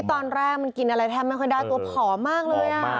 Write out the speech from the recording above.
ตอนแรกมันกินอะไรแทบไม่ค่อยได้ตัวผอมมากเลย